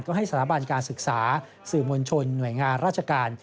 ก็ให้สถาบันการศึกษาสื่อมวลชนหน่วยงานราชการ